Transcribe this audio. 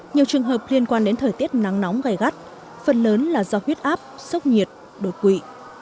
nhiều trường hợp liên quan đến thời tiết nắng nóng gai gắt phần lớn là do huyết áp sốc nhiệt đột quỵ